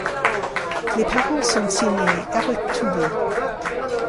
Les paroles sont signées Eric Toulis.